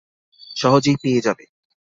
সহজেই পেয়ে যাব।